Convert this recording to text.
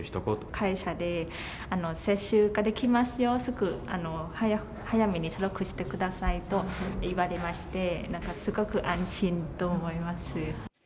会社で接種ができますよ、すぐ早めに登録してくださいと言われまして、すごく安心と思います。